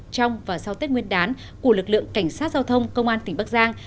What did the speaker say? trong và sau tết nguyên đán của lực lượng cảnh sát giao thông công an tỉnh bắc giang